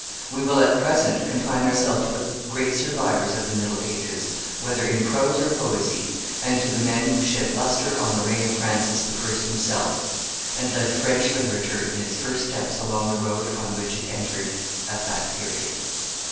We will at present confine ourselves to the great survivors of the middle ages, whether in prose or poesy, and to the men who shed lustre on the reign of Francis I. himself, and led French literature in its first steps along the road on which it entered at that period.